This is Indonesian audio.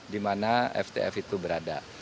di mana ftf itu berada